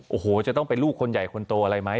โอ้โหจะต้องเป็นลูกคนใหญ่คนโตอะไรไหม